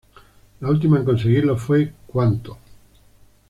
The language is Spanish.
La última en conseguirlo fue "Cuánto.